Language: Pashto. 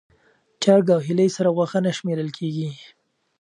چرګ او هیلۍ سره غوښه نه شمېرل کېږي.